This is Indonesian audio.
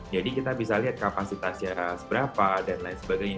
jadi kita bisa lihat kapasitasnya seberapa dan lain sebagainya